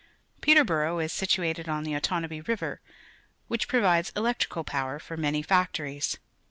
ONTARIO 89 Peterborough is situated on the Otonabee River, wWch provides electrical power for many factories.